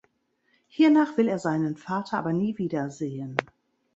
Hiernach will er seinen Vater aber nie wieder sehen.